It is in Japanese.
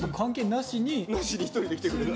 なしに１人で来てくれた。